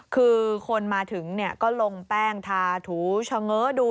คือคนมาถึงก็ลงแป้งทาถูเฉง้อดู